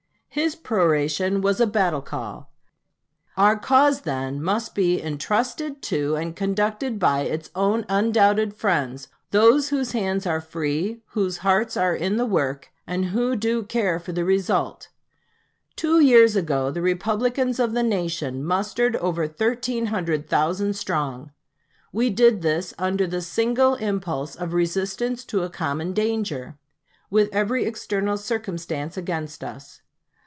His peroration was a battle call: "Our cause, then, must be intrusted to and conducted by its own undoubted friends, those whose hands are free, whose hearts are in the work, who do care for the result. Two years ago the Republicans of the nation mustered over thirteen hundred thousand strong. We did this under the single impulse of resistance to a common danger, with every external circumstance against us.